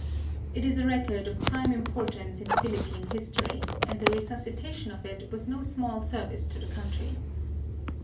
It is a record of prime importance in Philippine history, and the resuscitation of it was no small service to the country.